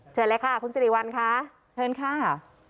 เชิญเลยค่ะคุณสิริวัลค่ะเชิญค่ะ